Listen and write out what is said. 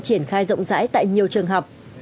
triển khai rộng rãi tại nhiều trường học